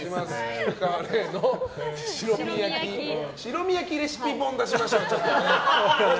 菊川怜の白身焼きレシピ本出しましょう。